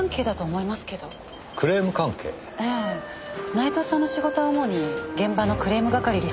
内藤さんの仕事は主に現場のクレーム係でしたから。